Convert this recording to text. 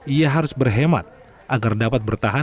ia harus berhemat agar dapat bertahan